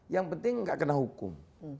yang penting nggak kena hukum